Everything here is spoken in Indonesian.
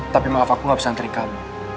tapi maaf aku gak bisa antri kamu